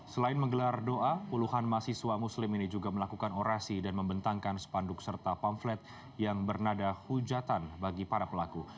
selain menggelar doa puluhan mahasiswa muslim ini juga melakukan orasi dan membentangkan sepanduk serta pamflet yang bernada hujatan bagi para pelaku